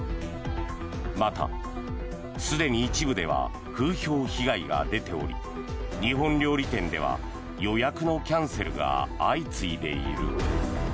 また、すでに一部では風評被害が出ており日本料理店では予約のキャンセルが相次いでいる。